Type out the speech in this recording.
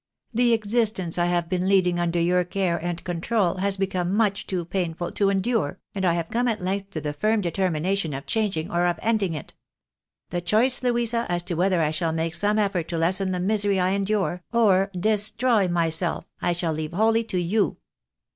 The existence I have been leading under your care and control, has become much too painful to endure, and I have come at length to the firm determina tion of changing or of ending it. The choice, Louisa, as to whether I shall make some effort to lessen the misery I endure, or destroy MYSELF, I shall leave wholly to you.